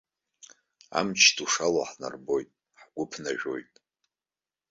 Амч ду шалоу ҳнарбоит, ҳгәы ԥнажәоит.